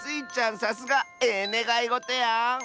さすが！ええねがいごとやん！